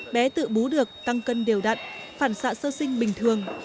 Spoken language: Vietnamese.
bé tự bú được tăng cân đều đặn phản xạ sơ sinh bình thường